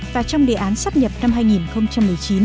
và trong đề án xác nhập năm hai nghìn một mươi sáu